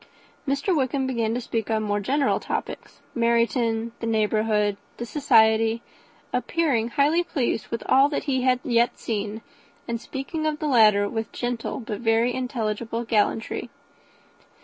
Mr. Wickham began to speak on more general topics, Meryton, the neighbourhood, the society, appearing highly pleased with all that he had yet seen, and speaking of the latter, especially, with gentle but very intelligible gallantry.